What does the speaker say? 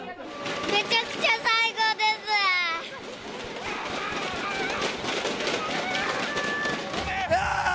めちゃくちゃ最高です。やー！